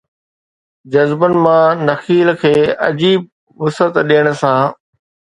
جذبن مان تخيل کي عجيب وسعت ڏيڻ سان